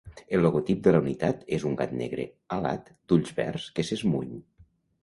El logotip de la unitat és un gat negre alat d'ulls verds que s'esmuny.